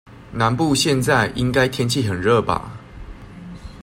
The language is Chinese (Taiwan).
南部現在應該天氣很熱吧？